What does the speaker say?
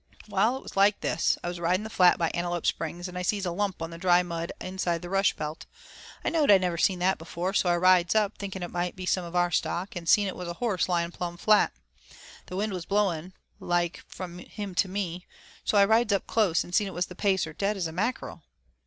"Wail, it was like this; I was riding the flat by Antelope Springs and I sees a lump on the dry mud inside the rush belt. I knowed I never seen that before, so I rides up, thinking it might be some of our stock, an' seen it was a horse lying plumb flat. The wind was blowing like from him to me, so I rides up close and seen it was the Pacer, dead as a mackerel.